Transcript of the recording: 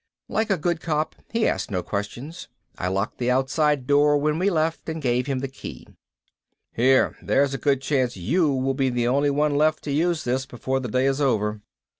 Like a good cop he asked no questions. I locked the outside door when we left and gave him the key. "Here. There's a good chance you will be the only one left to use this before the day is over."